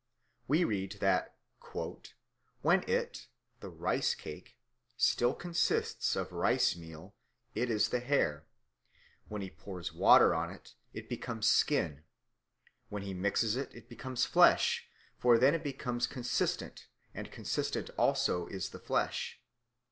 We read that "when it (the rice cake) still consists of rice meal, it is the hair. When he pours water on it, it becomes skin. When he mixes it, it becomes flesh: for then it becomes consistent; and consistent also is the flesh.